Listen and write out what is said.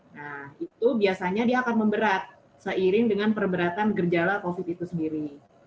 nah itu biasanya dia akan memberat seiring dengan perberatan gejala covid itu sendiri